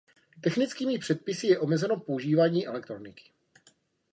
Technickými předpisy je omezeno používání elektroniky.